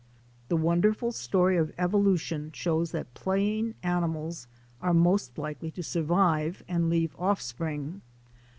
The wonderful story of Evolution shows that playing animals are most likely to survive and leave offspring.